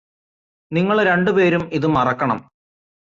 നിങ്ങളു രണ്ടു പേരും ഇത് മറക്കണം